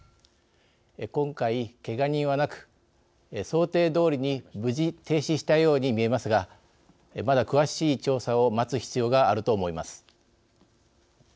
今回けが人はなく想定どおりに無事停止したように見えますがまだ詳しい調査を待つ必要があると思います。